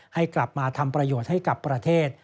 ให้กลับมาทำประโยชน์ให้กับประเทศ